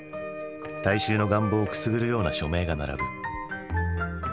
大衆の願望をくすぐるような書名が並ぶ。